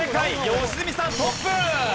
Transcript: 良純さんトップ！